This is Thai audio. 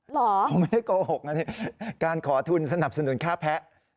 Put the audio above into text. ไม่ได้โกหกนะนี่การขอทุนสนับสนุนค่าแพ้